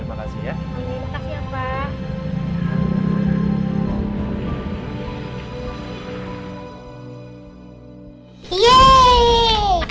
terima kasih ya pak